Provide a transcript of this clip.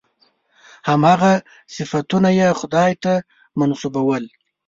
هماغه صفتونه یې خدای ته منسوبول.